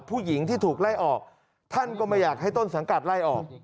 ผู้หญิงที่ถูกไล่ออกท่านก็ไม่อยากให้ต้นสังกัดไล่ออก